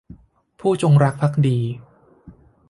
ผู้จงรักภักดี